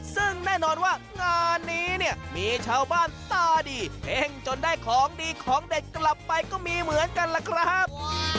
ซึ่งแน่นอนว่างานนี้เนี่ยมีชาวบ้านตาดีเฮ่งจนได้ของดีของเด็ดกลับไปก็มีเหมือนกันล่ะครับ